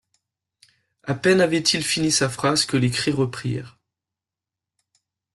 À peine avait-il fini sa phrase que les cris reprirent.